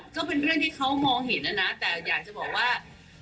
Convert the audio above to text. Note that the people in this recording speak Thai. ก็เป็นเรื่องที่เขามองเห็นนะนะแต่อยากจะบอกว่า